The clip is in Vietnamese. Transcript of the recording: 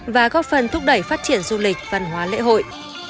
và góp phần thúc đẩy phát triển du lịch văn hóa lễ hội